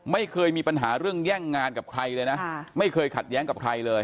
ไม่เคยมีปัญหาเรื่องแย่งงานกับใครเลยนะไม่เคยขัดแย้งกับใครเลย